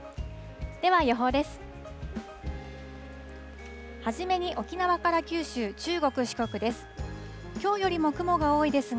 では予報です。